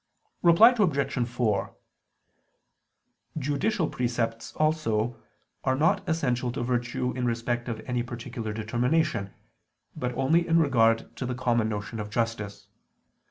Reply Obj. 4: Judicial precepts also, are not essential to virtue in respect of any particular determination, but only in regard to the common notion of justice.